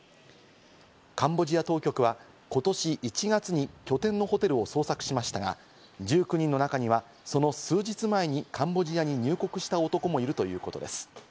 カンボジア当局は今年１月に拠点のホテルを捜索しましたが、１９人の中にはその数日前にカンボジアに入国した男もいるということです。